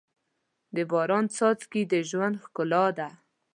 د باران څاڅکي د ژوند ښکلا ده.